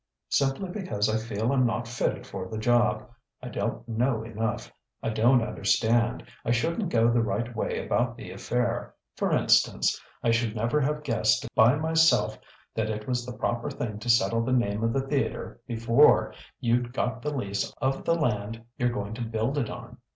"Simply because I feel I'm not fitted for the job. I don't know enough. I don't understand. I shouldn't go the right way about the affair. For instance, I should never have guessed by myself that it was the proper thing to settle the name of the theatre before you'd got the lease of the land you're going to build it on.